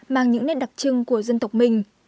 mang những nét đặc trưng của dân tộc mình